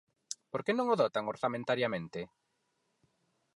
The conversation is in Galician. ¿Por que non o dotan orzamentariamente?